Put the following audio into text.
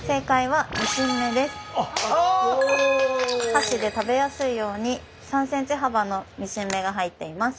箸で食べやすいように３ｃｍ幅のミシン目が入っています。